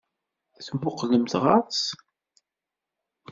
Temmuqqlemt ɣer-s?